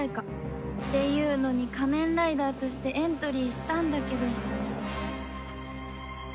っていうのに仮面ライダーとしてエントリーしたんだけど